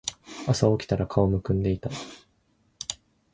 朝起きたら顔浮腫んでいた